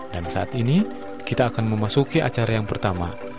dan saat ini kita akan memasuki acara yang pertama